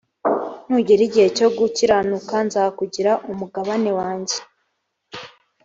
nugera igihe cyo gukiranuka nzakugira umugabane wanjye